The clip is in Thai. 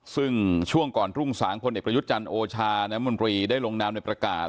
ซึ่งช่วงก่อนรุ่งสางพลเอกประยุทธ์จันทร์โอชาน้ำมนตรีได้ลงนามในประกาศ